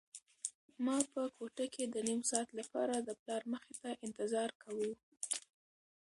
ما په کوټه کې د نيم ساعت لپاره د پلار مخې ته انتظار کاوه.